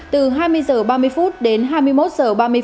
tp hcm đã thực hiện nghi thức tắt đèn trong vòng một giờ